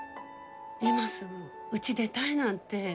今すぐうち出たいなんて。